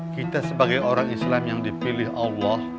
kita sebagai orang islam yang dipilih allah